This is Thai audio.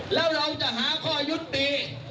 แล้วเราจะหาข้อยุติ